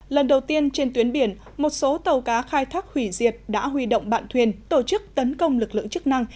lần đầu tiên trên tuyến biển một số tàu cá khai thác hủy diệt đã huy động bạn thuyền tổ chức tấn công lực lượng chức năng